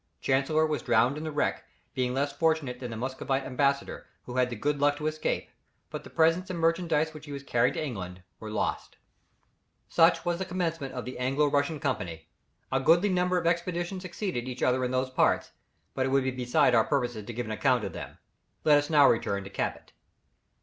Chancellor was drowned in the wreck, being less fortunate than the Muscovite ambassador, who had the good luck to escape; but the presents and merchandise which he was carrying to England were lost. [Illustration: Wreck of the Bonaventure.] Such was the commencement of the Anglo Russian Company. A goodly number of expeditions succeeded each other in those parts, but it would be beside our purpose to give an account of them. Let us now return to Cabot.